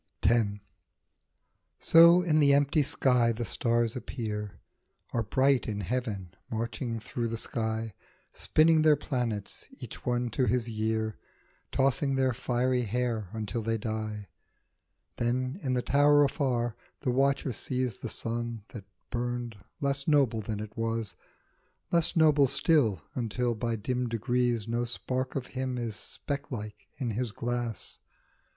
X. SO in the empty sky the stars appear, Are bright in heaven marching through the sky, Spinning their planets, each one to his year, Tossing their fiery hair until they die ; Then in the tower afar the watcher sees The sun, that burned, less noble than it was, Less noble still, until by dim degrees No spark of him is specklike in his glass.